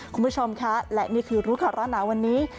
คุณผู้ชมค่ะและนี่คือรุกรณะวันนี้